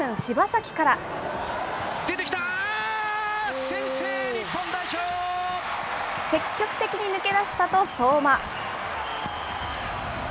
先制、積極的に抜け出したと相馬。